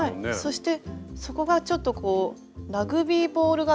そして底がちょっとラグビーボール形？